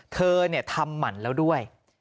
เธอทำหมั่นแล้วด้วย